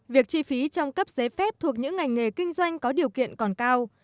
việc chi phí trong cấp giấy phép thuộc những ngành nghề kinh doanh có điều kiện còn cao